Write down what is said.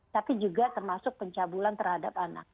tapi juga termasuk pencabulan terhadap anak